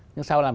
nhưng sau làm